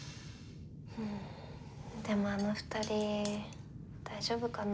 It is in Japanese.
でもあの２人大丈夫かな？